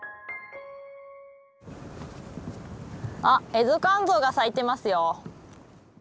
あっエゾカンゾウが咲いてますよ。